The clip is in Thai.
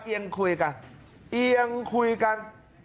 เอียงคุยกันเอียงคุยกัน